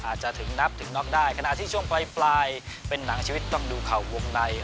ถึงนับถึงน็อกได้ขณะที่ช่วงปลายเป็นหนังชีวิตต้องดูเข่าวงใน